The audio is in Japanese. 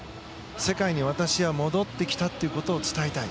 世界に私は戻ってきたということを伝えたい。